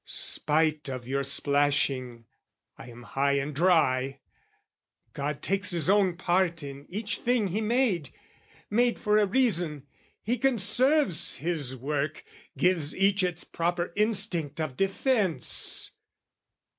Spite of your splashing, I am high and dry! God takes his own part in each thing he made; Made for a reason, he conserves his work, Gives each its proper instinct of defence.